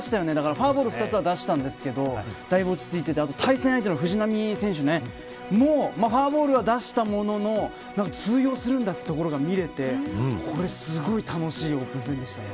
フォアボールは２つ出したんですけどだいぶ落ち着いていて対戦相手の藤浪選手もフォアボールを出したものの通用するんだというところが見れてすごい楽しいオープン戦でした。